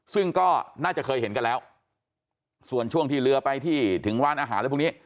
ซึ่งก็น่าจะเคยเห็นกันแล้วส่วนช่วงที่เรือไปที่ถึงร้านอาหารอะไรพวกนี้